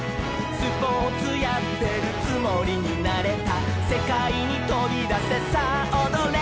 「スポーツやってるつもりになれた」「せかいにとびだせさあおどれ」